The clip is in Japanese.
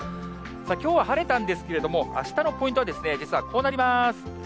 きょうは晴れたんですけれども、あしたのポイントは、実はこうなります。